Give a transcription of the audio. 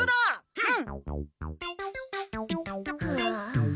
うん。